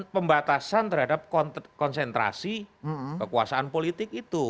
pembatasan terhadap konsentrasi kekuasaan politik itu